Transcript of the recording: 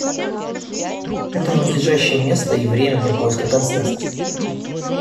Это надлежащее место и время для поиска консенсуса.